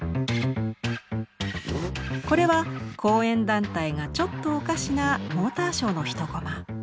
これは後援団体がちょっとおかしなモーターショーの一コマ。